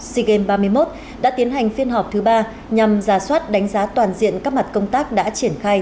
sea games ba mươi một đã tiến hành phiên họp thứ ba nhằm ra soát đánh giá toàn diện các mặt công tác đã triển khai